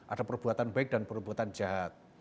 ada perbuatan baik dan perbuatan jahat